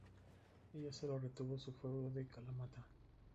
Ella sólo retuvo su feudo de Kalamata.